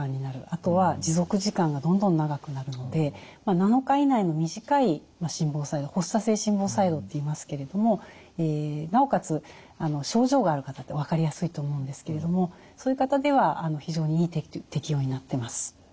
あとは持続時間がどんどん長くなるので７日以内の短い心房細動発作性心房細動っていいますけれどもなおかつ症状がある方って分かりやすいと思うんですけれどもそういう方では非常にいい適応になってます。